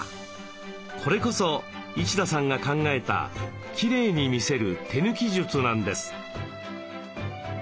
これこそ一田さんが考えたきれいに見せる手抜き術なんです。